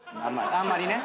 あんまりね。